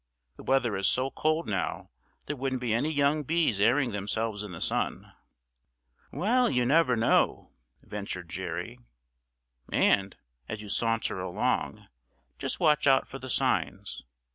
The weather is so cold now there wouldn't be any young bees airing themselves in the sun." "Well, you never know," ventured Jerry; "and, as you saunter along, just watch out for the signs.